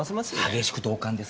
激しく同感です。